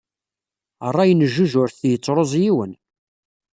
Rray n jjuj ur t-yettruẓ yiwen.